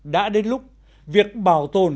đã đến lúc việc bảo tồn